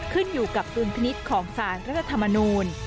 ขึ้นอยู่กับดุลพินิษฐ์ของสารรัฐธรรมนูล